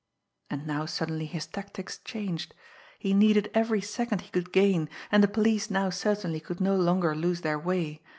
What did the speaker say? And now suddenly his tactics changed. He needed every second he could gain, and the police now certainly could no longer lose their way.